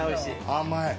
甘い。